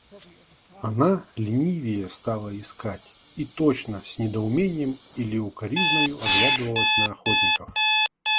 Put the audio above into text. Она ленивее стала искать и точно с недоумением или укоризною оглядывалась на охотников.